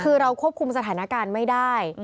คือเราควบคุมสถานการณ์ไม่ได้